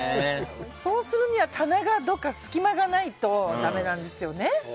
そうするには棚が、どこか隙間がないとダメなんですよね。